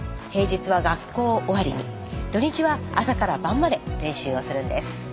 平日は学校終わりに土日は朝から晩まで練習をするんです。